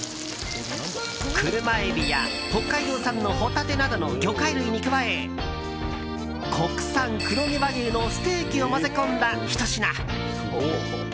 クルマエビや北海道産のホタテなどの魚介類に加え国産黒毛和牛のステーキを混ぜ込んだ、ひと品。